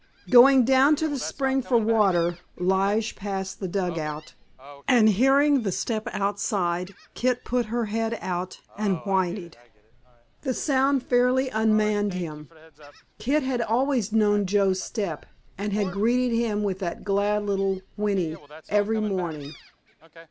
Going down to the spring for water Lige passed the dugout, and hearing the step outside Kit put her head out and whinnied. The sound fairly unmanned him. Kit had always known Joe's step, and had greeted him with that glad little whinny every morning.